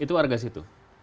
itu warga situ